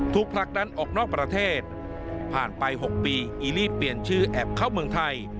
ผลักดันออกนอกประเทศผ่านไป๖ปีอีลีเปลี่ยนชื่อแอบเข้าเมืองไทย